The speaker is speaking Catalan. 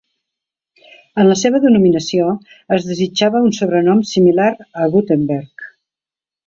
En la seva denominació, es desitjava un sobrenom similar a "Gutenberg".